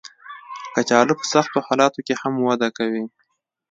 کچالو په سختو حالاتو کې هم وده کوي